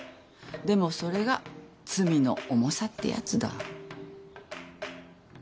でもそれが罪の重さってやつだ。